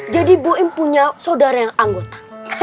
jadi buim punya sodara yang anggota